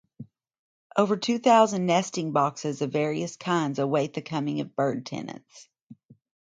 Over two thousand nesting boxes of various kinds await the coming of bird tenants.